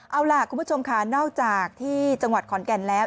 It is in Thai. เอาล่ะคุณผู้ชมค่ะนอกจากที่จังหวัดขอนแก่นแล้ว